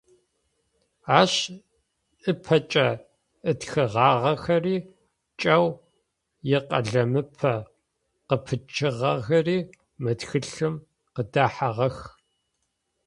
Ащ ыпэкӏэ ытхыгъагъэхэри, кӏэу икъэлэмыпэ къыпыкӏыгъэхэри мы тхылъым къыдэхьагъэх.